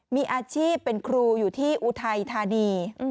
มีอาชีพเป็นครูอยู่ที่อุทัยธานี